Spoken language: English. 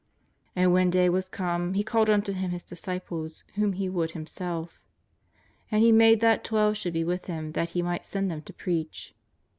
^'And when day was come He called unto Him His disciples, whom He would Himself. And He made that twelve should be with Him that He might send them to preach.